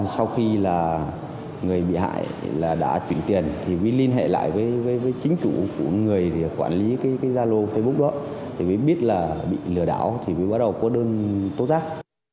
sau khi là người bị hại là đã chuyển tiền thì mình liên hệ lại với chính chủ của người quản lý cái gia lô facebook đó thì mới biết là bị lừa đảo thì mới bắt đầu có đơn tốt giác